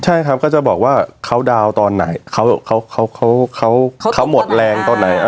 ใช่ครับก็จะบอกว่าเขาดาวน์ตอนไหน